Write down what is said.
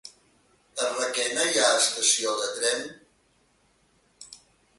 A Requena hi ha estació de tren?